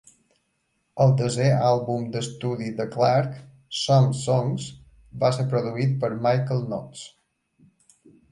El desè àlbum d"estudi de Clark, "Some Songs", va ser produït per Michael Knox.